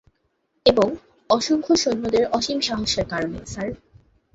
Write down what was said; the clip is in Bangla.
এবং, অসংখ্য সৈন্যদের অসীম সাহসের কারণে, স্যার।